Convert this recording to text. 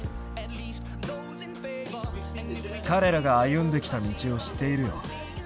彼らが歩んできた道を知っているよ。